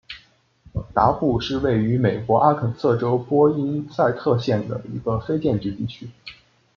达布是位于美国阿肯色州波因塞特县的一个非建制地区。